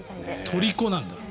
とりこなんだ。